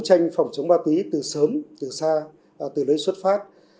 góp phần ngăn chặn ma túy từ sớm từ xa từ nơi xuất phát